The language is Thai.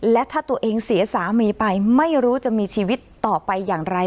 และถ้าตัวเองเสียสามีไปไม่รู้จะมีชีวิตต่อไปอย่างไร